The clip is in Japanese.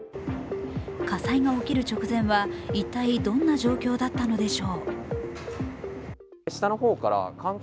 火災が起きる直前は一体、どんな状況だったのでしょう？